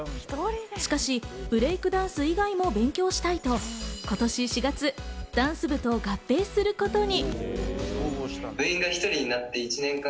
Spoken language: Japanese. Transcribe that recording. しかしブレイクダンス以外も勉強したいと、今年４月、ダンス部と合併することに。